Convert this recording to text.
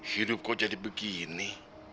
hidup kok jadi begini